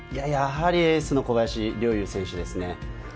やはりエースの小林陵侑選手ですね。